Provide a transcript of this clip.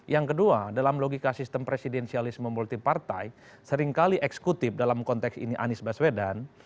yang kedua dalam logika sistem presidensialisme multi partai seringkali eksekutif dalam konteks ini anies baswedan